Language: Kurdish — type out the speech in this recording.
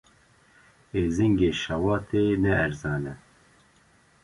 Êzingê şewatê ne erzan e.